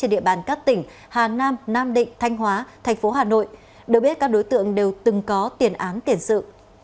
địa bàn các tỉnh hà nam nam định thanh hóa thành phố hà nội được biết các đối tượng đều từng có tiền án tiền sự